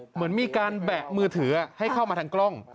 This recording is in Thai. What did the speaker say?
เหมือนมีการแบะมือถือให้เข้ามาทางกล้อง